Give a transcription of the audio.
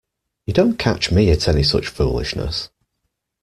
You don't catch me at any such foolishness.